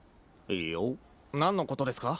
いいよ。何のことですか？